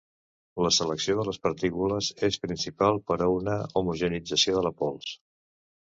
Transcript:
La selecció de les partícules és principal per a una homogeneïtzació de la pols.